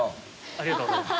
ありがとうございます。